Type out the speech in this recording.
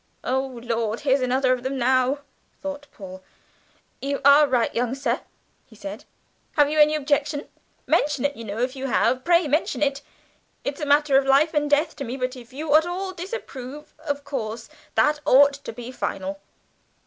"Oh Lord, here's another of them now!" thought Paul. "You are right, young sir," he said: "have you any objection? mention it, you know, if you have, pray mention it. It's a matter of life and death to me, but if you at all disapprove, of course that ought to be final!"